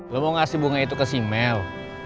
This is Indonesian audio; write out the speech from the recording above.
lo mau ngasih bunga itu ke si mel